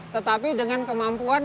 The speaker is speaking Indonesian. tetapi dengan kemampuan